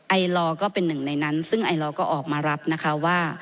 ไอลอก็เป็นหนึ่งในนั้นซึ่งไอลอก็ออกมารับนะคะว่า